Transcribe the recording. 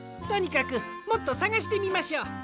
とにかくもっとさがしてみましょう。